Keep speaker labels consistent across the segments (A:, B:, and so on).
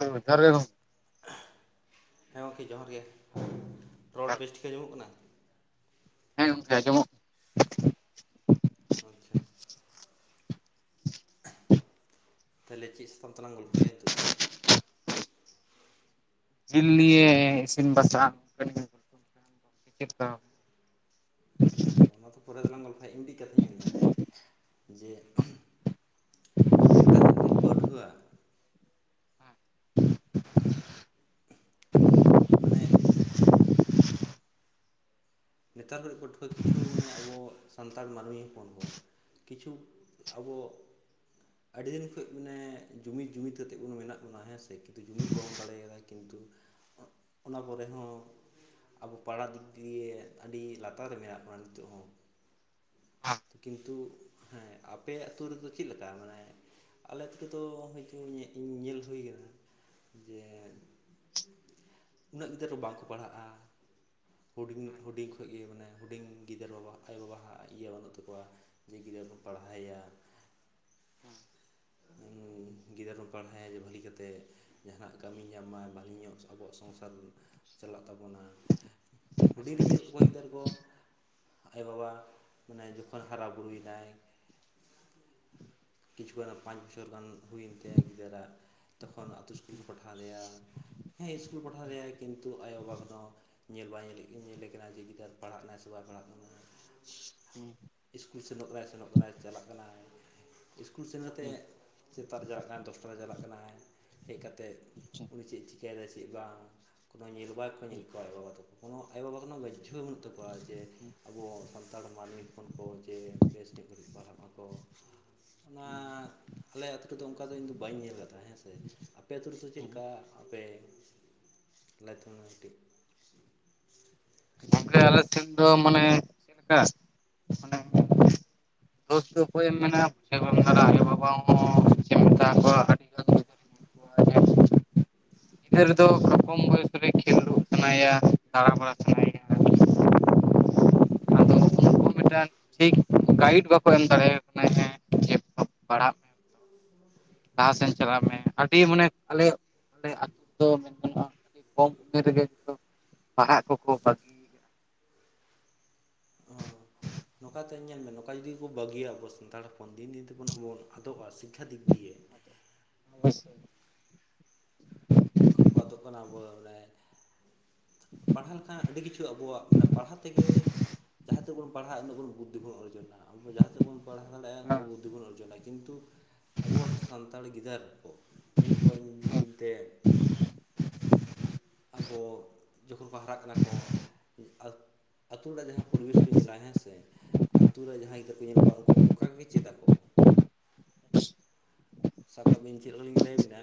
A: [unintelligible] ᱳᱠᱟᱨᱮ ᱜᱚᱝ [unintelligible]
B: ᱦᱮᱸ ᱜᱚᱝᱠᱮ ᱡᱚᱦᱟᱨ ᱜᱮ ᱨᱚᱲ
A: ᱡᱚᱦᱟᱨ ᱜᱮ
B: ᱵᱮᱥ ᱴᱷᱤᱠᱟᱹ ᱟᱡᱚᱢᱚᱜ ᱠᱟᱱᱟ?
A: ᱦᱮᱸ ᱜᱚᱝᱠᱮ ᱟᱡᱚᱢᱚᱜ
B: ᱟᱪᱪᱷᱟ᱾ ᱛᱟᱦᱚᱞᱮ ᱪᱮᱫ ᱥᱟᱛᱟᱢ ᱛᱮᱟᱞᱟᱝ ᱜᱚᱞᱯᱷᱚᱭᱟ ᱱᱤᱛᱚᱜ ᱫᱚ?
A: ᱡᱤᱞ ᱱᱤᱭᱮ ᱤᱥᱤᱱ ᱵᱟᱥᱟᱝ [unintelligible] ᱪᱮᱫ ᱠᱟ?
B: ᱦᱮᱸ ᱛᱚ ᱚᱱᱟ ᱛᱚ ᱯᱩᱨᱟᱹ ᱜᱮᱞᱟᱝ ᱜᱚᱞᱯᱷᱚᱭᱟ ᱤᱧ ᱢᱤᱫᱴᱤᱡ ᱠᱟᱛᱷᱟᱧ ᱞᱟᱹᱭᱫᱟ ᱦᱮᱸ ᱡᱮ ᱱᱮᱛᱟᱨ ᱠᱚᱭᱤᱡ [unintelligible] ᱯᱟᱹᱴᱷᱩᱣᱟᱹ
A: [inaudible]
B: ᱢᱟᱱᱮ ᱱᱮᱛᱟᱨ ᱫᱚ ᱯᱟᱹᱴᱷᱩᱣᱟᱹ ᱠᱤᱪᱷᱩ ᱢᱟᱱᱮ ᱟᱵᱚ ᱥᱟᱱᱛᱟᱲ ᱢᱟᱹᱱᱢᱤ ᱦᱚᱯᱚᱱ ᱦᱚᱸ ᱠᱤᱪᱷᱩ ᱟᱵᱚ ᱟᱹᱰᱤ ᱫᱤᱱ ᱠᱷᱚᱡ ᱢᱟᱱᱮ ᱡᱩᱢᱤᱜ ᱡᱩᱢᱤᱫ ᱠᱟᱛᱮᱜ ᱵᱚᱱ ᱢᱮᱱᱟᱜ ᱵᱚᱱᱟ ᱦᱮᱸ ᱥᱮ ᱠᱤᱱᱛᱩ ᱡᱩᱢᱤᱫ ᱵᱟᱵᱚᱱ ᱫᱟᱲᱮᱭᱟᱫᱟ ᱠᱤᱱᱛᱩ ᱚᱱᱟ ᱠᱚᱨᱮ ᱦᱚᱸ ᱟᱵᱚ ᱯᱟᱲᱟ ᱫᱤᱠ ᱫᱤᱭᱮ ᱟᱹᱰᱤ ᱞᱟᱛᱟᱨ ᱨᱮ ᱢᱮᱱᱟᱜ ᱵᱚᱱᱟ ᱱᱤᱛᱚᱜ ᱦᱚᱸ ᱠᱤᱱᱛᱩ ᱦᱮᱸ ᱟᱯᱮ ᱟᱹᱛᱩ ᱨᱮᱫᱚ ᱪᱤᱜ ᱞᱮᱠᱟ ᱢᱟᱱᱮ ᱟᱞᱮ ᱟᱛᱩ ᱨᱮ ᱫᱚ ᱠᱤᱱᱛᱩ ᱧᱮᱜ ᱧᱮᱞ ᱦᱩᱭ ᱠᱟᱱᱟ ᱡᱮ ᱩᱱᱟᱹᱜ ᱜᱤᱫᱟᱹᱨ ᱫᱚ ᱵᱟᱝᱠᱚ ᱯᱟᱲᱦᱟᱜᱼᱟ᱾ ᱦᱩᱰᱤᱧ ᱦᱩᱰᱤᱧ ᱠᱷᱚᱡ ᱜᱮ ᱢᱟᱱᱮ ᱦᱩᱰᱤᱧ ᱜᱤᱫᱽᱨᱟᱹ ᱵᱟᱵᱟ ᱟᱭᱳ ᱵᱟᱵᱟᱦᱟᱜ ᱤᱭᱟᱹ ᱵᱟᱹᱱᱩᱜ ᱛᱟ ᱛᱟᱠᱚᱣᱟ ᱡᱮ ᱜᱤᱫᱽᱨᱟᱹ ᱠᱚ ᱯᱟᱲᱦᱟᱣᱟ ᱮᱭᱟ᱾
A: [inaudible]
B: ᱩᱸ ᱜᱤᱫᱽᱟᱹᱨ ᱠᱚ ᱯᱟᱲᱦᱟᱭᱮᱣᱟ ᱵᱷᱟᱹᱞᱤ ᱠᱟᱛᱮᱜ ᱡᱟᱦᱟᱱᱟᱜ ᱠᱟᱹᱢᱤ ᱧᱟᱢ ᱢᱟᱭ ᱵᱷᱟᱹᱞᱤ ᱧᱚᱜ [unintelligible] ᱟᱵᱚᱣᱟᱜ ᱥᱚᱝᱥᱟᱨ ᱪᱟᱞᱟᱜ ᱛᱟᱵᱚᱱᱟ ᱦᱩᱰᱤᱧ ᱨᱤᱧ ᱧᱮᱞᱮᱜ ᱠᱚᱣᱟ ᱱᱮᱛᱟᱹᱨ ᱠᱚ ᱟᱭᱳᱵᱟᱵᱟ ᱢᱟᱱᱮ ᱡᱚᱠᱷᱚᱱ ᱦᱟᱨᱟ ᱵᱩᱨᱩ ᱭᱮᱱᱟᱭ ᱠᱤᱪᱷᱩ ᱜᱟᱱ ᱯᱟᱸᱪ ᱵᱚᱪᱷᱚᱨ ᱜᱟᱱ ᱦᱩᱭᱮᱱ ᱛᱟᱭᱟ ᱜᱤᱫᱽᱟᱹᱨᱟᱜ ᱛᱚᱠᱷᱚᱱ ᱟᱛᱩ ᱤᱥᱠᱩᱞ ᱠᱚ ᱯᱟᱴᱦᱟᱣ ᱞᱮᱭᱟ᱾ ᱦᱮᱸ ᱤᱥᱠᱩᱞ ᱯᱟᱴᱦᱟᱣ ᱞᱮᱭᱟ ᱠᱤᱱᱛᱩ ᱟᱭᱳᱵᱟᱵᱟ ᱠᱚᱫᱚ ᱧᱮᱞ ᱵᱟᱭ ᱧᱮᱞᱮᱜ ᱠᱤᱱ ᱧᱮᱞᱮ ᱠᱟᱱᱟ ᱡᱮ ᱜᱤᱫᱽᱟᱹᱨ ᱯᱟᱲᱦᱟᱜ ᱱᱟ ᱥᱩᱣᱟ ᱯᱟᱲᱦᱟᱜ ᱠᱟᱱᱟᱭ᱾
A: [inaudible]
B: ᱤᱥᱠᱩᱞ ᱥᱮᱱᱚᱜ ᱠᱟᱱᱟᱭ ᱥᱮᱱᱚᱜ ᱠᱟᱱᱟᱭ ᱪᱟᱞᱟᱜ ᱠᱟᱱᱟᱭ ᱤᱥᱠᱩᱞ ᱥᱮᱱ ᱟᱛᱮᱜ ᱥᱮᱛᱟᱜ ᱨᱮ ᱪᱟᱞᱟᱜ ᱠᱟᱱ ᱛᱩᱯᱩᱱᱮ ᱪᱟᱞᱟᱜ ᱠᱟᱱᱟᱭ ᱦᱮᱡ ᱠᱟᱛᱮᱜ ᱩᱱᱤ ᱪᱮᱜ ᱮ ᱪᱤᱠᱟᱹᱭᱮᱫᱟᱭ ᱪᱮᱜ ᱵᱟᱝ ᱠᱳᱱᱳ ᱧᱤᱨ ᱵᱟᱭ ᱠᱚ ᱧᱮᱞ ᱠᱚᱣᱟ ᱟᱭᱳ ᱵᱟᱵᱟ ᱛᱟᱠᱚ ᱠᱳᱱᱳ ᱟᱭᱳ ᱵᱟᱵᱟ ᱠᱳᱱᱳ ᱜᱚᱡᱡᱷᱳ ᱵᱟᱹᱱᱩᱜ ᱛᱟᱠᱚᱣᱟ ᱡᱮ ᱟᱵᱚ ᱥᱟᱱᱛᱟᱲ ᱢᱟᱹᱱᱢᱤ ᱦᱚᱯᱚᱱ ᱠᱚ ᱡᱮ ᱵᱮᱥ ᱧᱚᱜ ᱜᱷᱟᱹᱲᱤᱡ ᱯᱟᱲᱦᱟᱜ ᱟᱠᱚ ᱚᱱᱟ ᱟᱞᱮ ᱟᱛᱩ ᱨᱮ ᱫᱚ ᱚᱱᱠᱟ ᱫᱚ ᱤᱧ ᱫᱚ ᱵᱟᱹᱧ ᱧᱮᱞ ᱟᱠᱟᱜ ᱛᱟᱦᱮ ᱦᱮᱸ ᱥᱮ ᱟᱯᱮ ᱟᱛᱩ ᱨᱮᱫᱚ ᱪᱮᱜ ᱞᱮᱠᱟ? ᱟᱯᱮ ᱟᱞᱮ ᱟᱹᱛᱩ [unintelligible]
A: ᱟᱯᱮ ᱟᱞᱮ ᱟᱛᱩ ᱨᱮ ᱫᱚ ᱢᱟᱱᱮ [unintelligible] ᱫᱳᱥ ᱫᱚ ᱚᱠᱚᱭᱮᱢ ᱢᱮᱱᱟ ᱟᱭᱳ ᱵᱟᱵᱟ [unintelligible] ᱜᱤᱫᱽᱟᱹᱨ ᱫᱚ ᱠᱚᱢ ᱵᱚᱭᱚᱥ ᱨᱮ ᱠᱷᱮᱞ ᱠᱚ ᱮᱟᱱᱟᱭ ᱭᱟ ᱫᱟᱬᱟᱵᱟᱲᱟ ᱥᱟᱱᱟᱭ ᱭᱟ
B: [inaudible]
A: ᱢᱤᱫᱴᱟᱝ ᱴᱷᱤᱠ ᱜᱟᱭᱤᱴ ᱵᱟᱠᱚ ᱮᱢ ᱫᱟᱲᱮ ᱭᱟᱭ ᱠᱟᱱᱟ ᱦᱮᱸ ᱡᱮ ᱯᱟᱲᱦᱟᱜ ᱢᱮ
B: [inaudible]
A: ᱞᱟᱦᱟ ᱥᱮᱱ ᱪᱟᱞᱟᱜ ᱢᱮ ᱟᱹᱰᱤ ᱢᱟᱱᱮ ᱟᱞᱮ [unintelligible] ᱠᱚᱢ ᱩᱢᱮᱨ ᱨᱮᱜᱮ ᱠᱚ ᱯᱟᱲᱦᱟᱜ ᱠᱚᱠᱚ ᱵᱟᱜᱤ
B: ᱚ ᱱᱚᱝᱠᱟᱛᱮ ᱧᱮᱞ ᱢᱮ ᱱᱚᱝᱠᱟ ᱡᱩᱫᱤ ᱠᱚ ᱵᱟᱹᱜᱤᱭᱟ ᱟᱵᱚ ᱥᱟᱱᱛᱟᱲ ᱦᱚᱯᱚᱱ ᱫᱤᱱ ᱫᱤᱱ ᱛᱮᱵᱚᱱ ᱟᱵᱚ ᱟᱫᱚᱜᱼᱟ ᱥᱤᱠᱠᱷᱟ ᱫᱤᱠ ᱫᱤᱭᱮ᱾
A: [inaudible]
B: ᱩᱱᱠᱩ ᱠᱚ ᱟᱫᱚᱜ ᱠᱟᱱᱟ ᱵᱚᱞᱮ ᱯᱟᱲᱦᱟᱣ ᱞᱮᱠᱷᱟᱱ ᱟᱹᱰᱤ ᱠᱤᱪᱷᱩ ᱟᱵᱚᱣᱟᱜ ᱢᱟᱱᱮ ᱯᱟᱲᱦᱟᱣ ᱛᱮᱜᱮ ᱡᱟᱦᱟᱸ ᱛᱮᱵᱚᱱ ᱯᱟᱲᱦᱟᱜ ᱩᱱᱟᱹᱜ ᱵᱚᱱ ᱵᱩ ᱛᱮ ᱵᱚᱱ ᱚᱨᱡᱚᱱᱟ ᱟᱵᱚ ᱡᱟᱦᱟᱸ ᱛᱮᱵᱚᱱ ᱯᱟᱲᱦᱟᱣ [unintelligible] ᱵᱩᱫᱫᱷᱤ ᱵᱚᱱ ᱚᱨᱡᱚᱱᱟ ᱠᱤᱱᱛᱩ ᱟᱵᱚᱣᱟᱜ ᱥᱟᱱᱛᱟᱲ ᱜᱤᱫᱽᱟᱹᱨ ᱠᱚ ᱧᱮᱞᱮᱫ ᱠᱚᱣᱟᱹᱧ ᱫᱤᱱ ᱫᱤᱱ ᱛᱮ ᱟᱵᱚ ᱡᱚᱠᱷᱚᱱ ᱯᱟᱲᱦᱟᱜ ᱠᱟᱱᱟ ᱠᱚ ᱟᱛ ᱟᱹᱛᱩ ᱚᱲᱟᱜ ᱡᱟᱦᱟᱸ ᱯᱚᱨᱤᱵᱮᱥ ᱠᱚ ᱧᱮᱞᱟ ᱦᱮᱸ ᱥᱮ ᱟᱛᱩ ᱨᱮ ᱡᱟᱦᱟᱸᱭ ᱜᱤᱫᱽᱨᱟᱹ ᱠᱚ ᱧᱮᱞ ᱠᱚᱣᱟ ᱩᱱᱠᱩ ᱚᱱᱠᱟᱜᱮ ᱪᱮᱫ ᱟᱠᱚ᱾ ᱥᱟᱠᱟ ᱵᱤᱱ ᱪᱮᱫ ᱟᱫᱚ ᱞᱤᱧ ᱞᱟᱹᱭ ᱟᱵᱤᱱᱟ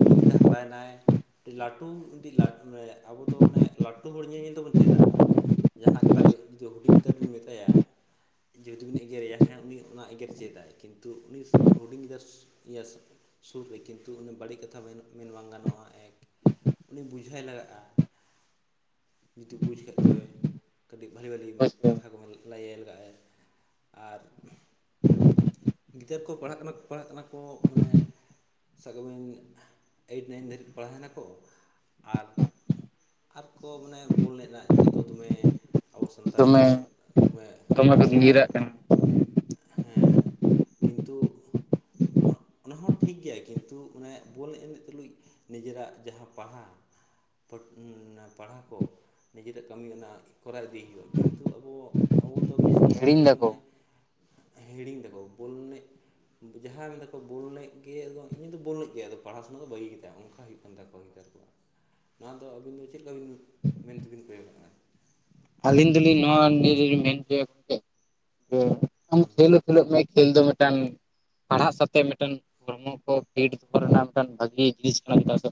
B: ᱦᱩᱰᱤ ᱜᱤᱫᱟᱹ ᱦᱟᱨᱟᱭ ᱮᱱᱟᱭ ᱞᱟᱹᱴᱩ [unintelligible] ᱟᱵᱚ ᱫᱚ ᱢᱟᱱᱮ ᱞᱟᱹᱴᱩ ᱦᱚᱲ ᱧᱮᱧᱮᱞ ᱛᱮᱵᱚᱱ ᱪᱮᱫᱟ ᱾ ᱡᱟᱦᱟ ᱠᱟᱛᱷᱟ ᱡᱩᱫᱤ ᱦᱩᱰᱤᱧ ᱩᱛᱟᱹᱨ ᱵᱮᱱ ᱢᱮᱛᱟᱭᱟ ᱡᱩᱫᱤ ᱵᱤᱱ ᱮᱜᱮ ᱨᱮᱭᱟ ᱦᱮᱸ ᱩᱱᱤ ᱚᱱᱟ ᱮᱜᱮᱨ ᱪᱮᱫᱟᱭ ᱠᱤᱱᱛᱩ ᱩᱱᱤ ᱦᱩᱰᱤᱧ ᱜᱤᱫᱟᱹᱨ ᱥᱩ ᱤᱭᱟᱹ ᱥᱩᱨ ᱨᱮ ᱠᱤᱱᱛᱩ ᱩᱱᱤ ᱵᱟᱹᱲᱤᱜ ᱠᱟᱛᱷᱟ ᱢᱮᱱ ᱢᱮᱱ ᱵᱟᱝ ᱜᱟᱱᱚᱜᱼᱟ ᱮᱠ ᱩᱱᱤ ᱵᱩᱡᱷᱟᱭ ᱞᱟᱜᱟᱜᱼᱟ ᱾ ᱡᱩᱫᱤ ᱵᱩᱡ ᱠᱷᱟᱡ ᱫᱚᱭ ᱾ ᱠᱟᱹᱴᱤᱡ ᱵᱷᱟᱹᱞᱤ ᱵᱷᱟᱹᱞᱤ
A: ᱦᱳᱭᱥᱮ
B: ᱠᱟᱛᱷᱟ ᱠᱚᱦᱚ ᱞᱟᱹᱭ ᱟᱭ ᱞᱟᱜᱟᱜ-ᱟ ᱟᱨ
A: [inaudible]
B: ᱜᱤᱫᱟᱹᱨ ᱠᱚ ᱯᱟᱲᱦᱟᱜ ᱠᱟᱱᱟ ᱠᱚ ᱯᱟᱲᱦᱟᱜ ᱠᱟᱱᱟ ᱠᱚ ᱢᱟᱱᱮ ᱥᱟᱜᱠᱟ ᱢᱮᱱ ᱮᱭᱤᱴ ᱱᱟᱭᱤᱱ ᱫᱷᱟᱹᱨᱤᱡ ᱠᱚ ᱯᱟᱲᱟᱣ ᱱᱟᱠᱚ ᱟᱨ ᱟᱨᱠᱚ ᱢᱟᱱᱮ ᱵᱚᱞ ᱮᱱᱮᱡ ᱨᱮᱱᱟᱜ ᱱᱤᱛᱚᱜ ᱫᱚ ᱫᱚᱢᱮ ᱟᱵᱚ ᱥᱟᱱᱛᱟᱞᱤ
A: ᱫᱚᱢᱮ
B: ᱨᱮᱱ ᱫᱚᱢᱮ
A: ᱠᱚ ᱱᱤᱨᱟᱜ
B: ᱦᱮᱸ
A: ᱠᱟᱱᱟ
B: ᱦᱮᱸ ᱾ ᱠᱤᱱᱛᱩ ᱚᱱᱟ ᱚᱱᱟ ᱦᱚᱸ ᱴᱷᱤᱠ ᱜᱮᱭᱟ ᱠᱤᱱᱛᱩ ᱚᱱᱮ ᱵᱚᱞ ᱮᱱᱮᱡ ᱛᱩᱞᱩᱡ᱾ ᱱᱤᱡᱮᱨᱟᱜ ᱡᱟᱦᱟᱸ ᱯᱟᱲᱦᱟᱜ ᱯᱚᱲ ᱮᱸ ᱯᱟᱲᱦᱟᱣ ᱠᱚ ᱱᱤᱡᱮᱨᱟᱜ ᱠᱟᱹᱢᱤ ᱚᱱᱟ ᱠᱚᱨᱟᱣ ᱤᱫᱤ ᱦᱩᱭᱩᱜᱼᱟ ᱠᱤᱱᱛᱩ ᱟᱵᱚ ᱟᱵᱚ ᱫᱚ ᱵᱮᱥᱤᱨ ᱵᱷᱟᱜᱽ
A: ᱦᱤᱲᱤᱧ
B: ᱜᱮ
A: ᱫᱟᱠᱚ
B: ᱢᱟᱱᱮ ᱦᱮᱲᱤᱝ ᱫᱟᱵᱚ ᱵᱚᱞ ᱮᱱᱮᱡ ᱾ ᱡᱟᱦᱟᱸᱭ ᱢᱮᱱ ᱫᱟᱠᱚ ᱵᱚᱞ ᱮᱱᱮᱡ ᱜᱮ ᱟᱫᱚ ᱩᱱᱤ ᱫᱚ ᱵᱚᱞ ᱮᱱᱮᱡ ᱜᱮ ᱟᱫᱚ ᱯᱟᱲᱦᱟᱣ ᱥᱮᱱᱟᱜ ᱫᱚ ᱵᱟᱹᱜᱤ ᱠᱮᱫᱟ ᱚᱱᱠᱟ ᱦᱩᱭᱩᱜ ᱠᱟᱱ ᱛᱟᱠᱚ ᱾ [unintelligible] ᱱᱚᱣᱟ ᱫᱚ ᱟᱹᱵᱤᱱ ᱫᱚ ᱪᱮᱞᱠᱟ ᱵᱮᱱ ᱢᱮᱱᱛᱮ ᱵᱮᱱ ᱠᱚᱭᱚᱜᱼᱟ?
A: ᱟᱹᱞᱤᱧ ᱫᱚᱞᱤᱧ ᱱᱚᱣᱟ ᱱᱤᱭᱟᱹᱜᱮᱞᱤᱧ ᱢᱮᱱ ᱦᱚᱪᱚᱭᱟ ᱡᱮ ᱟᱢ ᱠᱷᱮᱞ ᱠᱷᱮᱞᱳᱜ ᱢᱮ ᱠᱷᱮᱞ ᱫᱚ ᱢᱤᱫᱴᱟᱱ ᱯᱟᱲᱦᱟᱜ ᱥᱟᱶᱛᱮ ᱢᱤᱫᱴᱮᱱ ᱦᱚᱲᱢᱚ ᱠᱚ ᱯᱷᱤᱴ ᱫᱚᱦᱚ ᱨᱮᱱᱟᱜ ᱢᱤᱫᱴᱮᱱ ᱵᱷᱟᱹᱜᱤ ᱡᱤᱱᱤᱥ ᱠᱟᱱᱟ ᱪᱮᱫᱟᱜ ᱥᱮ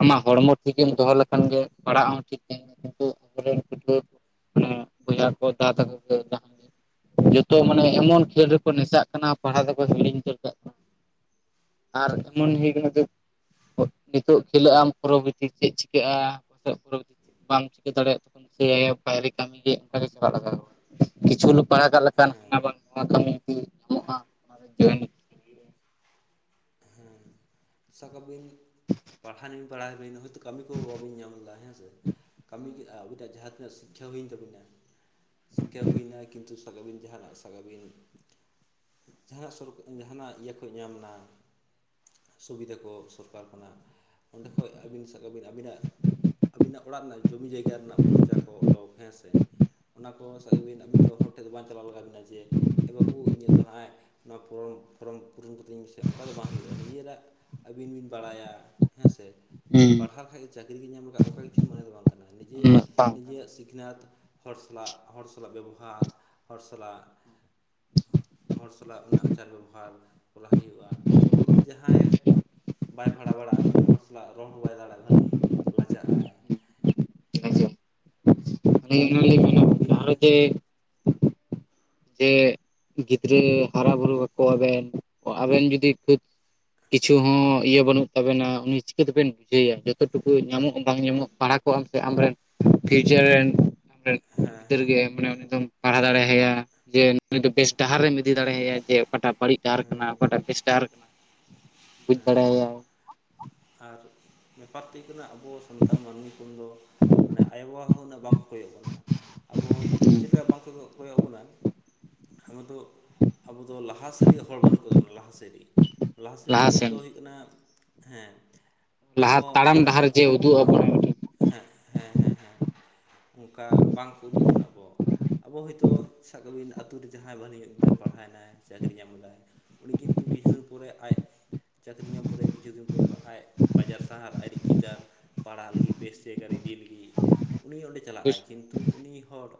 A: ᱟᱢᱟᱜ ᱦᱚᱲᱢᱚ ᱴᱷᱤᱠᱮᱢ ᱫᱚᱦᱚ ᱞᱮᱠᱷᱟᱱ ᱜᱮ ᱯᱟᱲᱦᱟᱜ ᱦᱚᱸ ᱴᱷᱤᱠ ᱛᱟᱦᱮ ᱜᱮᱭᱟ ᱠᱤᱱᱛᱩ ᱟᱵᱚᱨᱮᱱ ᱜᱤᱫᱽᱨᱟᱹ ᱢᱟᱱᱮ ᱵᱚᱭᱦᱟ ᱠᱚ ᱫᱟᱫᱟ ᱛᱟᱠᱚ ᱠᱚ ᱡᱟᱦᱟᱸ ᱜᱮ ᱡᱚᱛᱚ ᱢᱟᱱᱮ ᱮᱢᱚᱱ ᱠᱷᱮᱞ ᱨᱮᱠᱚ ᱱᱮᱥᱟᱜ ᱠᱟᱱᱟ ᱯᱟᱲᱦᱟᱣ ᱫᱟᱠᱚ ᱦᱤᱲᱤᱧ ᱩᱛᱟᱹᱨ ᱠᱟᱜ ᱠᱟᱱᱟ ᱾ ᱟᱨ ᱮᱢᱚᱱ ᱜᱮ ᱦᱩᱭ ᱠᱟᱱᱟ ᱫᱩ ᱱᱤᱛᱚᱜ ᱠᱷᱮᱞᱳᱜ ᱟᱢ ᱯᱚᱨᱚᱵᱚᱨᱛᱤ ᱪᱮᱜ ᱪᱤᱠᱟᱹᱜᱼᱟ [unintelligible] ᱵᱟᱢ ᱪᱤᱠᱟᱹ ᱫᱟᱲᱮᱭᱟᱜ ᱛᱚᱠᱷᱚᱱ [unintelligible] ᱵᱟᱭᱨᱮ ᱠᱟᱹᱢᱤ ᱜᱮ ᱚᱱᱠᱟ ᱜᱮ ᱪᱟᱞᱟᱜ ᱞᱟᱜᱟᱜᱼᱟ ᱠᱤᱪᱷᱩ ᱦᱚᱞᱚ ᱯᱟᱲᱦᱟᱣ ᱠᱟᱜ ᱞᱮᱠᱷᱟᱱ ᱦᱟᱱᱟ ᱵᱟᱝ ᱱᱚᱣᱟ ᱠᱟᱹᱢᱤ ᱠᱚ ᱧᱟᱢᱚᱜᱼᱟ ᱚᱱᱟ ᱨᱮ ᱡᱚᱭᱮᱱ
B: ᱦᱮᱸ ᱥᱟᱵ ᱠᱟ ᱵᱤᱱ ᱯᱟᱲᱦᱟᱣ [unintelligible] ᱦᱳᱭᱛᱳ ᱠᱟᱹᱢᱤ ᱠᱚ ᱵᱟᱵᱤᱱ ᱧᱟᱢ ᱞᱮᱫᱟ ᱦᱮᱸ ᱥᱮ ᱠᱟᱹᱢᱤ ᱜᱮ ᱟᱵᱤᱱ ᱴᱮᱸᱜ ᱡᱟᱦᱟᱸ ᱛᱤᱱᱟᱹᱜ ᱥᱤ ᱠᱷᱟ ᱦᱩᱭᱮᱱ ᱛᱟᱵᱤᱱᱟ ᱥᱤᱠᱠᱷᱟ ᱦᱩᱭᱱᱟ ᱠᱤᱱᱛᱩ ᱥᱟᱵ ᱠᱟᱜ ᱵᱤᱱ ᱡᱟᱦᱟᱱᱟᱜ ᱥᱟᱵ ᱠᱟᱜ ᱵᱤᱱ ᱡᱟᱦᱟᱱᱟᱜ ᱥᱚᱨᱠᱟ ᱡᱟᱦᱟᱱᱟᱜ ᱤᱭᱟᱹ ᱠᱚ ᱧᱟᱢ ᱮᱫᱟ ᱥᱩᱵᱤᱫᱷᱟ ᱠᱚ ᱥᱚᱨᱠᱟᱨ ᱠᱷᱚᱱᱟᱜ ᱚᱸᱰᱮ ᱠᱷᱚᱡ ᱟᱹᱵᱤᱱ ᱥᱟᱵᱠᱟᱜ ᱵᱤᱱ ᱟᱹᱵᱤᱱᱟᱜ ᱟᱹᱵᱤᱱᱟᱜ ᱚᱲᱟᱜ ᱨᱮᱱᱟᱜ ᱡᱚᱢᱤ ᱡᱟᱭᱜᱟ ᱨᱮᱱᱟᱜ ᱯᱚᱨᱪᱟ ᱠᱚ ᱰᱚ ᱦᱮᱸᱥᱮ ᱚᱱᱟ ᱠᱚ [unintelligible] ᱟᱹᱵᱤᱱ ᱫᱚ ᱦᱚᱲ ᱴᱷᱮᱱ ᱫᱚ ᱵᱟᱝ ᱪᱟᱞᱟᱣ ᱞᱟᱜᱟᱣ ᱵᱤᱱᱟ ᱡᱮ ᱮ ᱵᱟᱵᱩ ᱤᱧᱟᱹᱜ ᱫᱚ ᱦᱟᱜ ᱟᱭ ᱱᱚᱣᱟ ᱯᱷᱚᱨᱚᱢ ᱯᱩᱨᱚᱱ ᱯᱷᱚᱨᱚᱢ ᱯᱩᱨᱚᱱ ᱠᱟᱛᱤᱧ ᱢᱮ ᱥᱮ ᱚᱱᱠᱟ ᱫᱚ ᱵᱟᱝ ᱦᱩᱭᱩᱜᱼᱟ ᱱᱤᱡᱮᱨᱟᱜ ᱟᱹᱵᱤᱱ ᱵᱤᱱ ᱵᱟᱲᱟᱭᱟ ᱦᱮᱸ ᱥᱮ ᱡᱮ
A: ᱦᱩᱸ
B: ᱯᱟᱲᱦᱟᱜ ᱠᱷᱟᱡ ᱠᱚ ᱪᱟᱹᱠᱨᱤ ᱜᱮ ᱧᱟᱢ ᱠᱟᱜ ᱚᱱᱠᱟ ᱠᱤᱪᱷᱩ ᱢᱚᱱᱮ ᱫᱚ ᱵᱟᱝ ᱠᱟᱱᱟ ᱱᱤᱡᱮ
A: ᱩᱱᱟᱹᱜ ᱵᱟᱝ ᱠᱟᱱᱟ
B: ᱱᱤᱡᱮᱭᱟᱜ ᱥᱤᱠᱷᱱᱟᱹᱛ ᱦᱚᱲ ᱥᱟᱞᱟᱜ ᱦᱚᱲ ᱥᱟᱞᱟᱜ ᱵᱮᱵᱚᱦᱟᱨ ᱦᱚᱲ ᱥᱟᱞᱟᱜ ᱦᱚᱲ ᱥᱟᱞᱟᱜ ᱚᱱᱟ ᱟᱪᱟᱨ ᱵᱮᱵᱚᱦᱟᱨ ᱠᱚᱨᱟᱣ ᱦᱩᱭᱩᱜᱼᱟ ᱟᱨ ᱡᱩᱫᱤ ᱡᱟᱦᱟᱸᱭ ᱵᱟᱭ ᱯᱟᱲᱦᱟᱣ ᱵᱟᱲᱟᱜᱼᱟ ᱩᱱᱤ ᱦᱚᱲ ᱥᱟᱞᱟᱜ ᱨᱚᱲ ᱦᱚᱸ ᱵᱟᱭ ᱫᱟᱲᱮᱭᱟᱜᱼᱟ ᱠᱷᱟᱹᱞᱤ ᱞᱟᱡᱟᱜᱼᱟᱭ ᱾
A: ᱟᱹᱞᱤᱧ [unintelligible]
B: ᱟᱹᱵᱤᱱᱼᱟᱜ᱾
A: ᱜᱷᱟᱨᱚᱸᱡᱽ ᱨᱮ ᱡᱮ ᱜᱤᱫᱽᱨᱟᱹ ᱦᱟᱨᱟ ᱵᱩᱨᱩ ᱠᱟᱠᱚᱣᱟᱵᱮᱱ᱾ ᱟᱵᱮᱱᱡᱩᱫᱤ ᱠᱷ ᱠᱤᱪᱷᱩ ᱦᱚᱸ ᱤᱭᱟᱹ ᱵᱟᱹᱱᱩᱜ ᱛᱟᱵᱮᱱᱟ ᱩᱱᱤ ᱪᱤᱠᱟᱹ ᱛᱮᱵᱮᱱ ᱵᱩᱡᱷᱟᱹᱣᱮᱭᱟ᱾ ᱡᱚᱛᱚ ᱴᱩᱠᱩ ᱧᱟᱢᱚᱜ ᱵᱟᱝ ᱧᱟᱢᱚᱜ ᱯᱟᱲᱦᱟᱣ ᱠᱚᱜᱼᱟᱢ ᱥᱮ ᱟᱢᱨᱮᱱ ᱯᱷᱤᱭᱩᱪᱟᱨ ᱨᱮᱱ ᱟᱢ ᱨᱮᱱ
B: ᱦᱮᱸ
A: ᱜᱤᱫᱽᱟᱹᱨ
B: ᱦᱮᱸ
A: ᱜᱮ ᱢᱟᱱᱮ ᱩᱱᱤ ᱫᱚᱢ ᱯᱟᱲᱦᱟᱣ ᱫᱟᱲᱮ ᱟᱭᱟ, ᱡᱮ ᱱᱩᱭ ᱫᱚ ᱵᱮᱥ ᱰᱟᱦᱟᱨᱮᱢ ᱤᱫᱤ ᱫᱟᱲᱮᱭᱟᱭᱟ ᱡᱮ ᱚᱠᱟᱴᱟᱜ ᱵᱟᱹᱲᱤᱡ ᱰᱟᱦᱟᱨ ᱠᱟᱱᱟ ᱚᱠᱟᱴᱟᱜ ᱵᱮᱥ ᱰᱟᱦᱟᱨ ᱠᱟᱱᱟ ᱵᱩᱡᱽ ᱫᱟᱲᱮᱭᱟᱭ᱾
B: ᱟᱨ ᱵᱮᱯᱟᱨ ᱛᱮᱫ ᱠᱟᱱᱟ ᱟᱵᱚ ᱥᱟᱱᱛᱟᱲ ᱢᱟᱹᱱᱢᱤ ᱠᱚᱫᱚ ᱢᱟᱱᱮ ᱟᱭᱳᱼᱵᱟᱵᱟ ᱦᱚᱸ ᱩᱱᱟᱹᱜ ᱵᱟᱝᱠᱚ ᱠᱚᱭᱚᱜ ᱵᱚᱱᱟ᱾ ᱟᱵᱚ ᱪᱮᱫ ᱞᱮᱠᱟ ᱵᱟᱝ ᱠᱚ ᱠᱚᱭᱚᱜ ᱟᱵᱚᱱᱟ᱾ ᱟᱵᱚ ᱫᱚ, ᱟᱵᱚ ᱫᱚ ᱞᱟᱦᱟᱥᱮᱫ ᱤᱫᱤ ᱦᱚᱲ ᱵᱟᱹᱱᱩᱜ ᱠᱚᱛᱟᱵᱚᱱᱟ ᱞᱟᱦᱟᱥᱮᱫ ᱤᱫᱤ᱾ ᱞᱟᱦᱟᱥᱮᱫ
A: ᱞᱟᱦᱟ
B: ᱢᱚᱛᱞᱚᱵ
A: ᱥᱮᱱ
B: ᱫᱚ ᱦᱩᱭᱩᱜ ᱠᱟᱱᱟ ᱦᱮᱸ ᱟᱵᱚ
A: ᱞᱟᱦᱟ
B: ᱚᱱᱮ
A: ᱛᱟᱲᱟᱢ ᱰᱟᱦᱟᱨ
B: ᱩᱱᱟᱹᱜ
A: ᱡᱮ
B: ᱦᱚᱜ
A: ᱩᱫᱩᱜ ᱟᱵᱚᱱᱟ
B: ᱦᱮᱸ, ᱦᱮᱸ, ᱦᱮᱸ, ᱦᱮᱸ ᱚᱱᱠᱟ ᱵᱟᱝᱠᱚ ᱩᱫᱩᱜ ᱵᱚᱱᱟ ᱟᱵᱚ ᱾ ᱟᱵᱚ ᱦᱚᱭᱛᱳ ᱥᱟᱵ ᱠᱟᱜᱵᱤᱱ ᱟᱛᱳ ᱨᱮ ᱡᱟᱦᱟᱸᱭ ᱵᱷᱟᱹᱞᱤ ᱧᱚᱜ ᱜᱤᱫᱽᱨᱟᱹ ᱯᱟᱲᱦᱟᱣᱮᱱᱟᱭ ᱪᱟᱹᱠᱨᱤ ᱧᱟᱢᱫᱟᱭ ᱾ ᱩᱱᱤ ᱠᱤᱱᱛᱩ ᱠᱤᱪᱷᱩ ᱫᱤᱱ ᱯᱚᱨᱮ ᱟᱡ ᱪᱟᱹᱠᱨᱤ ᱧᱟᱢ ᱯᱚᱨᱮ ᱠᱤᱪᱷᱩ ᱫᱤᱱ ᱯᱚᱨᱮ ᱦᱚᱸ ᱟᱡ ᱵᱟᱡᱟᱨ ᱥᱟᱦᱟᱨ ᱟᱨᱮ ᱪᱤᱫᱟᱹᱨ ᱯᱟᱲᱦᱟᱜ ᱞᱟᱹᱜᱤᱫ ᱵᱮᱥ ᱡᱟᱭᱜᱟᱨᱮ ᱤᱫᱤ ᱞᱟᱹᱜᱤᱫ ᱩᱱᱤ ᱚᱸᱰᱮ ᱪᱟᱞᱟᱜᱼᱟᱭ
A: ᱚᱵᱚᱥᱥᱳᱭ᱾
B: ᱠᱤᱱᱛᱩ ᱩᱱᱤ ᱦᱚᱲ,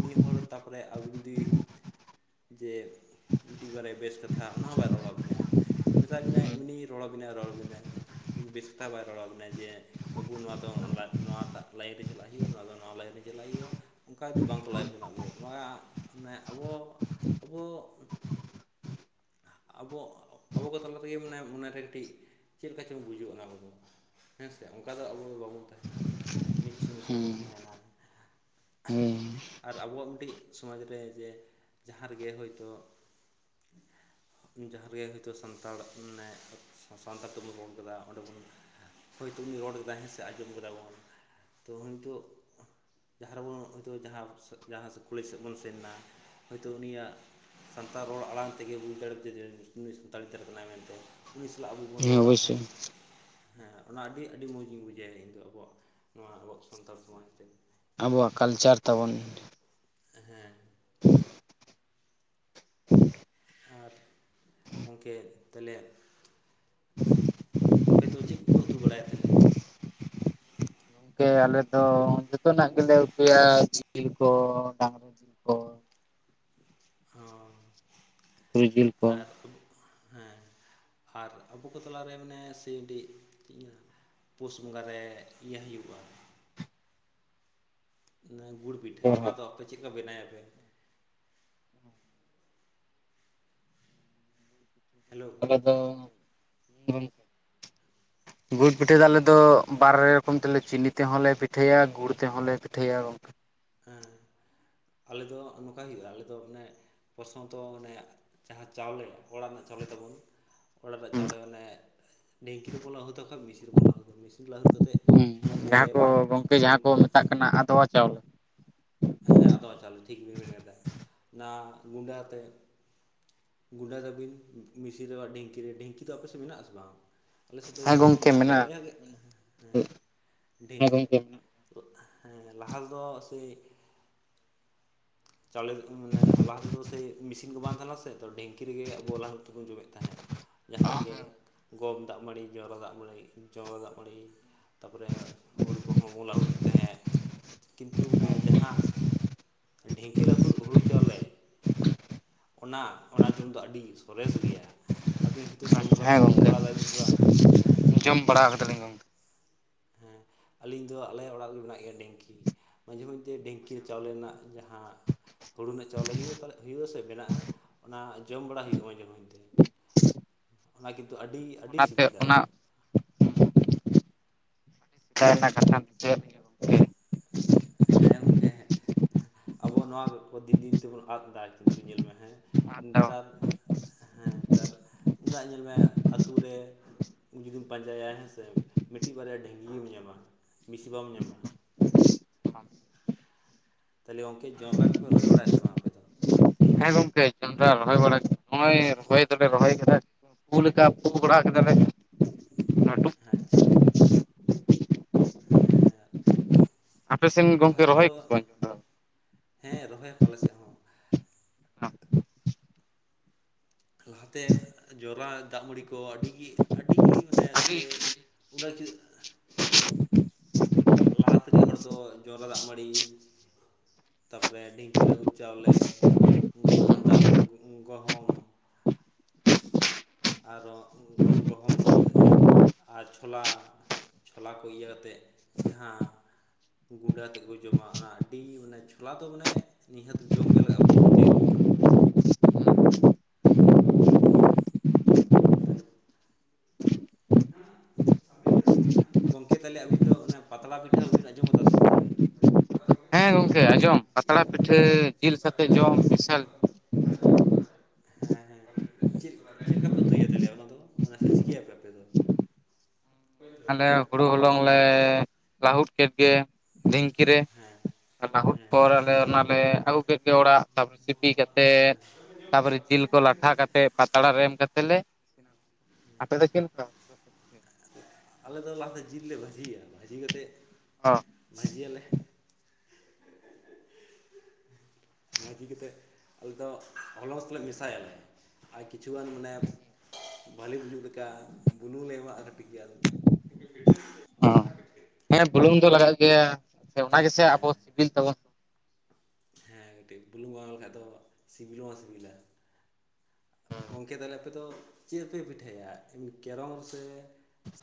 B: ᱩᱱᱤ ᱦᱚᱲ ᱛᱟᱨᱯᱚᱨᱮ ᱟᱵᱮᱱ ᱡᱩᱫᱤ, ᱡᱮ ᱢᱤᱫᱤᱡ ᱵᱟᱨᱭᱟ ᱵᱮᱥ ᱠᱟᱛᱷᱟ ᱚᱱᱟ ᱦᱚᱸ ᱵᱟᱭ ᱨᱚᱲ ᱟᱵᱤᱱᱟᱭ, ᱢᱮᱛᱟ ᱵᱤᱱᱟᱭ
A: ᱦᱮᱸ
B: ᱮᱢᱱᱤ ᱨᱚᱲ ᱟᱵᱤᱱᱟᱭ ᱨᱚᱲ ᱟᱵᱤᱱᱟᱭ᱾ ᱠᱤᱱᱛᱩ ᱵᱮᱥᱛᱟ ᱵᱮᱥᱴᱟ ᱵᱟᱭ ᱨᱚᱲ ᱟᱵᱤᱱᱟ ᱡᱮ ᱵᱟᱹᱵᱩ ᱱᱚᱣᱟ ᱫᱚ ᱱᱚᱣᱟᱴᱟᱜ ᱞᱟᱭᱤᱱ ᱨᱮ ᱪᱟᱞᱟᱜ ᱦᱩᱭᱩᱜᱼᱟ, ᱱᱚᱣᱟ ᱫᱚ ᱱᱚᱣᱟ ᱞᱟᱭᱤᱱ ᱨᱮ ᱪᱟᱞᱟᱜ ᱦᱩᱭᱩᱜᱼᱟ, ᱚᱝᱠᱟ ᱫᱚ ᱵᱟᱝᱠᱚ ᱞᱟᱭᱮᱫ ᱵᱚᱱᱟ ᱟᱵᱚ ᱱᱚᱣᱟ ᱢᱟᱱᱮ ᱟᱵᱚ, ᱟᱵᱚ, ᱟᱵᱚ, ᱟᱵᱚ ᱠᱚ ᱛᱟᱞᱟ ᱛᱮᱜᱮ ᱢᱟᱱᱮ ᱢᱚᱱᱮᱨᱮ ᱠᱟᱹᱴᱤᱡ ᱪᱮᱫᱼᱠᱟ ᱪᱚᱝ ᱵᱩᱡᱩᱜ ᱚᱱᱟ ᱠᱟᱫᱚ, ᱦᱮᱸᱥᱮ, ᱚᱱᱠᱟ ᱫᱚ ᱟᱵᱚ ᱫᱚ ᱵᱟᱵᱚᱱ ᱛᱟᱦᱮᱸᱱᱟ, ᱢᱤᱫ ᱥᱚᱸᱜᱮ ᱥᱚᱸᱜᱮ ᱵᱚᱱ ᱛᱟᱦᱮᱸᱱᱟ᱾
A: ᱦᱮᱸ
B: ᱟᱨ ᱟᱵᱚᱣᱟᱜ ᱢᱤᱫᱴᱤᱡ ᱥᱚᱢᱟᱡᱽ ᱨᱮ ᱡᱮ ᱡᱟᱦᱟᱸ ᱨᱮᱜᱮ ᱦᱳᱭᱛᱚ ᱡᱟᱸᱦᱟ ᱨᱮᱜᱮ ᱦᱳᱭᱛᱚ ᱥᱟᱱᱛᱟᱲ ᱢᱟᱱᱮ ᱥᱟ ᱥᱟᱱᱛᱟᱲ ᱛᱚᱵᱩ ᱵᱚᱱ ᱨᱚᱲ ᱠᱟᱫᱟ ᱚᱸᱰᱮ ᱵᱚᱱ ᱦᱳᱭᱛᱚ ᱩᱱᱤ ᱨᱚᱲ ᱠᱮᱫᱟᱭ ᱦᱮᱸ ᱥᱮ ᱟᱸᱡᱚᱢ ᱠᱮᱫᱟ ᱵᱚᱱ᱾ ᱛᱚ ᱦᱳᱭᱛᱚ ᱡᱟᱦᱟᱸ ᱨᱮᱵᱚᱱ ᱦᱳᱭᱛᱚ ᱡᱟᱦᱟᱸ ᱡᱟᱦᱟᱸ ᱠᱚᱞᱮᱡᱽ ᱥᱮᱫ ᱵᱚᱱ ᱥᱮᱱ ᱮᱱᱟ ᱦᱳᱭᱛᱚ ᱩᱱᱤᱭᱟᱜ ᱥᱟᱱᱛᱟᱲ ᱨᱚᱲ ᱟᱲᱟᱝ ᱛᱮᱜᱮ ᱵᱩᱡᱽ ᱫᱟᱲᱮ ᱠᱮᱫᱟ ᱡᱮ ᱱᱩᱭ ᱥᱟᱱᱛᱟᱲ ᱜᱤᱫᱽᱨᱟᱹ ᱠᱟᱱᱟᱭ ᱢᱮᱱᱛᱮ᱾ ᱩᱱᱤ ᱥᱟᱞᱟᱜ ᱟᱵᱚ ᱵᱚᱱ ᱨᱚᱲᱟ ᱦᱮᱸ, ᱦᱮᱸ ᱦᱮᱸ ᱚᱱᱟ ᱟᱹᱰᱤ ᱟᱹᱰᱤ ᱢᱚᱡᱽ ᱞᱤᱧ ᱵᱩᱡᱷᱟ ᱤᱧ ᱫᱚ ᱟᱵᱚᱣᱟᱜ ᱱᱚᱣᱟ ᱟᱵᱚᱣᱟᱜ ᱥᱟᱱᱛᱟᱲ ᱥᱚᱢᱟᱡᱽ ᱨᱮ᱾
A: ᱟᱵᱚᱣᱟᱜ ᱠᱟᱞᱪᱟᱨ ᱛᱟᱵᱚᱱ,
B: ᱦᱮᱸ,
A: [inaudible] [inaudible]
B: ᱟᱨ ᱜᱚᱝᱠᱮ ᱛᱟᱞᱦᱮ?
A: [inaudible]
B: ᱦᱳᱭᱛᱚ ᱪᱮᱫ ᱠᱚᱯᱮ ᱩᱛᱩ ᱵᱟᱲᱟᱭᱟ ᱛᱟᱞᱦᱮ?
A: ᱠᱮ ᱟᱞᱮ ᱫᱚ ᱡᱚᱛᱚᱱᱟᱜ ᱜᱮᱞᱮ ᱩᱛᱩᱭᱟ ᱡᱤᱞ ᱠᱚ ᱰᱟᱝᱨᱟ ᱡᱤᱞ ᱠᱚ᱾
B: ᱦᱚᱸ,
A: ᱥᱩᱠᱨᱤ ᱡᱤᱞ ᱠᱚ
B: ᱟᱨ ᱟ ᱦᱮᱸ ᱟᱨ ᱟᱵᱩ ᱠᱚ ᱛᱟᱞᱟᱨᱮ ᱢᱟᱱᱮ ᱥᱤ ᱰᱤ ᱪᱮᱫ ᱤᱧ ᱢᱮᱱᱟ? ᱯᱩᱥ ᱵᱚᱸᱜᱟ ᱨᱮ ᱤᱭᱟᱹ ᱦᱩᱭᱩᱜᱼᱟ᱾ ᱱᱚᱣᱟ ᱜᱩᱲ ᱯᱤᱴᱷᱟᱹ ᱚᱱᱟᱫᱚ ᱟᱯᱮ ᱪᱮᱫ ᱞᱮᱠᱟ ᱵᱮᱱᱟᱭ ᱟᱯᱮ? ᱦᱮᱞᱳ᱾
A: ᱟᱞᱮ ᱫᱚ [unintelligible]
B: [inaudible]
A: ᱜᱩᱲ ᱯᱤᱴᱷᱟᱹ ᱫᱚ ᱟᱞᱮ ᱫᱚ ᱵᱟᱨᱮ ᱨᱚᱠᱚᱢ ᱛᱮᱞᱮ ᱪᱤᱱᱤ ᱛᱮᱦᱚᱸ ᱞᱮ ᱯᱤᱴᱷᱟᱹᱭᱟ ᱜᱩᱲ ᱛᱮᱦᱚᱸ ᱞᱮ ᱯᱤᱴᱷᱟᱹᱭᱟ ᱜᱚᱝᱠᱮ᱾
B: ᱦᱮᱸ᱾ ᱟᱞᱮ ᱫᱚ ᱱᱚᱝᱠᱟᱭ ᱦᱩᱭᱩᱜᱼᱟ ᱟᱞᱮ ᱫᱚ ᱟᱱᱮ ᱯᱚᱥᱚᱱᱛᱚ ᱢᱚᱱᱮ ᱡᱟᱦᱟᱸ ᱪᱟᱣᱞᱮ ᱚᱲᱟᱜ ᱨᱮᱱᱟᱜ ᱪᱟᱣᱞᱮ ᱛᱟᱵᱚᱱ ᱚᱲᱟᱜ ᱨᱮᱱᱟᱜ ᱪᱟᱣᱞᱮ ᱢᱟᱱᱮ ᱰᱷᱤᱝᱠᱤ ᱨᱮᱠᱚ ᱞᱟᱹᱦᱩᱛ ᱵᱟᱠᱷᱟᱡ ᱢᱮᱥᱤᱱ ᱨᱮᱵᱚᱱ ᱞᱟᱹᱦᱩᱫ ᱫᱟ ᱢᱮᱥᱤᱱ ᱨᱮ ᱞᱟᱦᱩᱫ ᱠᱟᱛᱮᱫ
A: ᱦᱩᱸ
B: ᱚᱱᱟ ᱜᱩᱸᱰᱟᱹ
A: ᱡᱟᱦᱟᱸ
B: ᱵᱚᱱ᱾
A: ᱠᱚ ᱜᱚᱝᱠᱮ ᱡᱟᱦᱟᱸ ᱠᱚ ᱢᱮᱛᱟᱜ ᱟᱫᱣᱟ ᱪᱟᱣᱞᱮ᱾
B: ᱦᱮᱸ ᱟᱫᱚᱣᱟ ᱪᱟᱣᱞᱮ ᱴᱷᱤᱠ ᱵᱤᱱ ᱢᱮᱱ ᱠᱟᱫᱟ ᱚᱱᱟ ᱜᱩᱰᱟᱹ ᱟᱛᱮᱫ᱾ ᱜᱩᱸᱰᱟᱹ ᱛᱟᱵᱤᱱ ᱢᱤᱥᱤᱨ ᱨᱮᱦᱚᱸ ᱰᱷᱤᱝᱠᱤ ᱨᱮ, ᱰᱷᱤᱝᱠᱤ ᱫᱚ ᱟᱯᱮᱥᱮᱫ ᱢᱮᱱᱟᱜ ᱟᱥᱮ ᱵᱟᱝ? ᱟᱞᱮ ᱥᱮᱫ ᱫᱚ
A: ᱦᱮᱸ
B: ᱱᱤᱛᱚᱜ ᱦᱚᱸ
A: ᱜᱚᱝᱠᱮ
B: ᱢᱮᱱᱟᱜ ᱜᱮᱭᱟ
A: ᱢᱮᱱᱟᱜᱼᱟ
B: ᱟᱞᱮᱭᱟᱜ ᱜᱮ ᱦᱮᱸ᱾
A: ᱜᱚᱝᱠᱮ ᱢᱮᱱᱟᱜ
B: ᱳᱜ ᱦᱮᱸ ᱞᱟᱦᱟ ᱛᱮᱫᱚ ᱥᱮ ᱪᱟᱣᱞᱮ ᱢᱟᱱᱮ ᱞᱟᱦᱟ ᱛᱮᱫᱚ ᱥᱮ ᱢᱮᱥᱤᱱ ᱠᱚ ᱵᱟᱝ ᱛᱟᱦᱮᱞᱮᱱᱟ ᱥᱮ ᱛᱚ ᱰᱷᱤᱮᱝᱠᱤ ᱨᱮᱜᱮ ᱟᱵᱚ ᱞᱦᱟᱹᱨᱩᱫ ᱛᱮᱵᱚ ᱡᱚᱢᱮᱫ ᱛᱟᱦᱮᱸᱫ᱾ ᱡᱟᱦᱟᱸᱱᱼᱟᱜ ᱜᱮ ᱜᱚᱢ ᱫᱟᱜ ᱢᱟᱹᱲᱤ ᱡᱚᱶᱨᱟ ᱫᱟᱜ ᱢᱟᱹᱲᱤ ᱡᱚᱶᱨᱟ ᱫᱟᱜ ᱢᱟᱹᱲᱤ᱾ ᱛᱟᱯᱚᱨᱮ ᱦᱩᱲᱩ ᱠᱚᱦᱚᱸ ᱵᱚᱞᱟᱦᱩᱫ ᱮᱫ ᱛᱟᱦᱮᱸᱫ ᱠᱤᱱᱛᱩ ᱚᱱᱮ ᱡᱟᱦᱟᱸ ᱰᱷᱤᱝᱠᱤ ᱞᱟᱹᱦᱩᱫ ᱦᱩᱲᱩ ᱪᱚᱞᱮ ᱚᱱᱟ ᱚᱱᱟ ᱡᱚᱢ ᱫᱚ ᱟᱹᱰᱤ ᱥᱚᱨᱮᱥ ᱜᱮᱭᱟ᱾ ᱟᱵᱤᱱ ᱦᱳᱭᱛᱚ ᱡᱚᱢ
A: ᱦᱮᱸ
B: ᱡᱚᱢ
A: ᱜᱚᱝᱠᱮ
B: ᱵᱟᱲᱟ ᱠᱟᱫᱟᱵᱤᱱ ᱥᱮ ᱵᱟᱝ ᱦᱮᱸ᱾
A: ᱡᱚᱢ ᱵᱟᱲᱟ ᱟᱠᱟᱫᱟᱞᱤᱧ ᱜᱟᱝ
B: ᱦᱮᱸ ᱟᱹᱞᱤᱧ ᱫᱚ ᱟᱞᱮᱭᱟᱜ ᱚᱲᱟᱜ ᱨᱮᱜᱮ ᱢᱮᱱᱟᱜ ᱜᱮᱭᱟ ᱰᱷᱤᱝᱠᱤ᱾ ᱢᱟᱡᱷᱮ ᱢᱚᱫᱽᱫᱷᱮ ᱰᱷᱤᱮᱝᱠᱤ ᱪᱟᱣᱞᱮ ᱨᱮᱱᱟᱜ ᱡᱟᱦᱟᱸ ᱦᱩᱲᱩ ᱨᱮᱱᱟᱜ ᱪᱟᱣᱞᱮ ᱦᱩᱭᱩᱜᱼᱟ ᱛᱟᱞᱮ ᱦᱩᱭᱩᱜᱼᱟ ᱥᱮ ᱢᱮᱱᱟᱜᱼᱟ ᱚᱱᱟ ᱡᱚᱢ ᱵᱟᱲᱟ ᱦᱩᱭᱩᱜᱼᱟ ᱢᱟᱡᱮ ᱢᱚᱫᱦᱮ ᱛᱮ ᱚᱱᱟ ᱠᱤᱱᱛᱩ ᱟᱹᱰᱤ ᱟᱹᱰᱤ
A: ᱚᱱᱟᱛᱮ
B: ᱥᱤᱵᱤᱞᱟ
A: ᱚᱱᱟ [unintelligible] ᱟᱱᱤᱡ᱾
B: ᱦᱮᱸ ᱜᱚᱝᱠᱮ ᱦᱮᱸ ᱟᱵᱚ ᱱᱚᱣᱟ ᱫᱤᱱ ᱫᱤᱱ ᱛᱮᱵᱚᱱ ᱟᱹᱫ ᱫᱟ ᱠᱤᱱᱛᱩ ᱧᱮᱞ ᱢᱮ ᱦᱮᱸ
A: ᱟᱫᱚ
B: ᱱᱮᱛᱟᱨ ᱦᱮᱸ ᱱᱮᱛᱟᱨ ᱩᱱᱟᱹᱜ ᱧᱮᱞ ᱢᱮ ᱟᱛᱳ ᱨᱮ ᱩᱱ ᱡᱩᱫᱤᱢ ᱯᱟᱸᱡᱟᱭᱟ ᱦᱮᱸ ᱥᱮ ᱢᱤᱫᱴᱤᱡ ᱵᱟᱨᱭᱟ ᱰᱷᱤᱝᱜᱤᱢ ᱧᱟᱢᱼ ᱟ ᱵᱤᱥᱤ ᱵᱟᱢ ᱧᱟᱢᱟ᱾
A: [inaudible]
B: ᱛᱟᱦᱚᱞᱮ ᱜᱚᱝᱠᱮ ᱡᱚᱱᱰᱨᱟ ᱠᱚ ᱯᱮ ᱨᱚᱦᱚᱭ ᱵᱟᱲᱟᱭᱟ ᱟᱥᱮ ᱵᱟᱝ ᱟᱯᱮ ᱫᱚ?
A: ᱦᱮᱸ ᱜᱚᱝᱠᱮ ᱡᱚᱰᱨᱟ ᱨᱚᱦᱚᱭ ᱵᱟᱲᱟ ᱱᱚᱜ ᱚᱭ ᱨᱚᱦᱚᱭ ᱫᱚᱞᱮ ᱨᱚᱦᱚᱭ ᱟᱠᱟᱫᱟ ᱯᱩ ᱞᱮᱠᱟ ᱯᱩ ᱵᱟᱲᱟ ᱠᱮᱫᱟᱞᱮ᱾ ᱞᱟᱹᱴᱩ
B: ᱟᱪᱪᱷᱟ᱾ ᱦᱮᱸ
A: ᱟᱯᱮᱥᱮᱱ
B: ᱞᱟᱦᱟ
A: ᱜᱚᱝᱠᱮ
B: ᱛᱮᱫᱚ
A: ᱨᱚᱦᱚᱭ ᱠᱚ ᱥᱮ ᱵᱟᱝ ᱡᱚᱱᱰᱨᱟ?
B: ᱦᱮᱸ ᱨᱚᱦᱚᱭ ᱟᱠᱚ ᱟᱞᱮ ᱥᱮᱫ ᱦᱚᱸ᱾
A: [inaudible]
B: ᱞᱟᱦᱟᱛᱮ ᱡᱚᱨᱟ ᱫᱟᱜ ᱢᱟᱹᱲᱤ ᱠᱚ ᱟᱹᱰᱤᱜᱮ ᱟᱹᱰᱤᱜᱮ ᱢᱟᱱᱮ ᱥᱮ [unintelligible] ᱞᱟᱦᱟᱛᱤᱱᱤᱡ ᱦᱚᱲ ᱫᱚ ᱡᱚᱱᱰᱨᱟ ᱫᱟᱜ ᱢᱟᱹᱲᱤ ᱛᱟᱯᱚᱨᱮ ᱰᱷᱤᱝᱠᱤ ᱞᱟᱹᱦᱩᱫ ᱪᱟᱣᱞᱮ, ᱜᱚᱦᱚᱢ ᱫᱟᱜ ᱜᱚᱦᱚᱢ ᱟᱨᱦᱚᱸ ᱜᱚᱦᱩᱢ ᱟᱨ ᱪᱷᱳᱞᱟ, ᱪᱷᱳᱞᱟ ᱠᱚ ᱤᱭᱟᱹ ᱠᱟᱛᱮᱜ ᱡᱟᱦᱟᱸ ᱜᱩᱸᱰᱟᱹ ᱟᱛᱮᱜ ᱠᱚ ᱡᱚᱢ ᱟ ᱚᱱᱟ ᱰᱤ ᱤᱭᱩ ᱢᱟᱱᱮ ᱪᱷᱳᱞᱟ ᱫᱚ ᱢᱟᱱᱮ ᱱᱤᱦᱟᱹᱛ ᱡᱚᱢᱜᱮ ᱞᱟᱜᱟᱜᱼᱟ [unintelligible] ᱾ [unintelligible]
A: [inaudible]
B: [unintelligible] ᱜᱚᱝᱠᱮ ᱛᱟᱦᱞᱮ ᱟᱹᱵᱤᱱ ᱫᱚ ᱚᱱᱟ ᱯᱟᱛᱲᱟ ᱯᱤᱴᱷᱟᱹ ᱦᱚᱸᱵᱤᱱ ᱟᱸᱡᱚᱢ ᱠᱟᱫᱟ ᱥᱮ ᱵᱟᱝ ᱠᱟᱹᱞᱤ ᱾
A: ᱦᱮᱸ ᱜᱚᱢᱠᱮ ᱟᱸᱡᱚᱢ ᱯᱟᱛᱲᱟ ᱯᱤᱴᱷᱟᱹ ᱡᱤᱞ ᱥᱟᱛᱮᱜ ᱡᱚᱢ ᱢᱤᱥᱟᱞ
B: [unintelligible] ᱦᱮᱸ ᱦᱮᱸ ᱪᱮᱜ ᱪᱮᱜᱠᱟ ᱯᱮ ᱩᱛᱩ ᱭᱟ? ᱛᱟᱦᱚᱞᱮ ᱚᱱᱟ ᱫᱚ ᱚᱱᱟ ᱥᱮ [unintelligible] ᱟᱯᱮ ᱫᱚ? [inaudible]
A: ᱟᱞᱮ ᱦᱳᱲᱳ ᱦᱚᱞᱚᱝ ᱞᱮ ᱞᱟᱹᱦᱩᱫ ᱠᱮᱫ ᱜᱮ ᱰᱷᱤᱝᱠᱤ ᱨᱮ
B: ᱦᱮᱸ
A: ᱞᱟᱹᱦᱩᱫ
B: ᱦᱮᱸ
A: ᱯᱚᱨ ᱟᱞᱮ ᱚᱱᱟᱞᱮ ᱟᱹᱜᱩ ᱠᱮᱫ ᱜᱮ ᱚᱲᱟᱜ ᱛᱟᱨᱯᱚᱨᱮ ᱥᱤᱯᱤ ᱠᱟᱛᱮᱫ ᱛᱟᱯᱚᱨᱮ ᱡᱤᱞ ᱠᱚ ᱞᱟᱴᱷᱟ ᱠᱟᱛᱮᱫ ᱯᱟᱛᱲᱟ ᱨᱮ ᱮᱢ ᱠᱟᱛᱮ ᱞᱮ ᱾ ᱟᱯᱮ ᱫᱚ ᱪᱮᱞᱠᱟ?
B: ᱟᱞᱮ ᱫᱚ ᱞᱟᱦᱟ ᱛᱮ ᱡᱤᱞ ᱞᱮ ᱵᱷᱟᱹᱡᱤᱭᱟ ᱵᱷᱟᱹᱡᱤ ᱠᱟᱛᱮᱫ
A: [inaudible]
B: ᱵᱷᱟᱡᱤᱭᱟᱞᱮ ᱵᱷᱟᱡᱤ ᱠᱟᱛᱮᱫ ᱟᱞᱮ ᱫᱚ ᱦᱚᱞᱚᱥ ᱞᱮ ᱢᱮᱥᱟᱭᱟᱞᱮ ᱾ ᱟᱨ ᱠᱤᱪᱷᱩ ᱜᱟᱱ ᱢᱟᱱᱮ ᱵᱷᱟᱹᱞᱤ ᱵᱩᱡᱩᱜ ᱞᱮᱠᱟ ᱵᱩᱞᱩᱝ ᱞᱮ ᱮᱢᱟᱜ [unintelligible]
A: ᱦᱩᱸ ᱦᱮᱸ ᱵᱩᱞᱩᱝ ᱫᱚ ᱞᱟᱜᱟᱜ ᱜᱮᱭᱟ ᱚᱱᱟ ᱜᱮᱥᱮ
B: ᱦᱮᱸ
A: ᱟᱵᱚ ᱥᱤᱵᱤᱞ ᱛᱟᱵᱚᱱ ᱾
B: ᱦᱮᱸ ᱠᱟᱹᱴᱤᱡ ᱵᱩᱞᱩᱝ ᱵᱟᱝ ᱮᱢ ᱞᱮᱠᱷᱟᱡ ᱫᱚ ᱥᱤᱵᱤᱞ ᱦᱚᱸ ᱵᱟᱝ ᱥᱤᱵᱤᱞᱟ᱾ ᱜᱚᱝᱠᱮ ᱛᱟᱞᱮ ᱟᱯᱮᱫᱚ ᱪᱮᱜ ᱯᱮ ᱯᱤᱴᱷᱟᱹᱭᱟ? [unintelligible] ᱠᱮᱨᱚᱢ ᱥᱮ